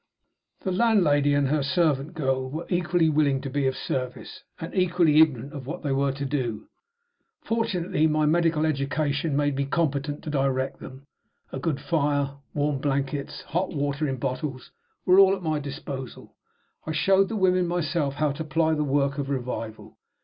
The landlady and her servant girl were equally willing to be of service, and equally ignorant of what they were to do. Fortunately, my medical education made me competent to direct them. A good fire, warm blankets, hot water in bottles, were all at my disposal. I showed the women myself how to ply the work of revival.